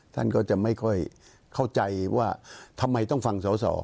ท่านก็จะไม่ค่อยเข้าใจว่าทำไมต้องฟังสอสอ